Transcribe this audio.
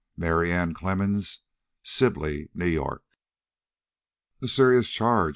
"MARY ANN CLEMMENS, Sibley, N. Y." "A serious charge!"